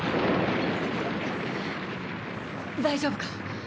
大丈夫か？